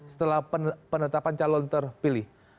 setelah penetapan calon terpilih